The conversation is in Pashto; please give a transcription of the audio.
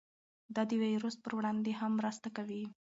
دا د ویروس پر وړاندې هم مرسته کوي.